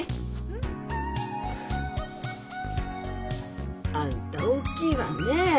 うん？あんた大きいわねえ。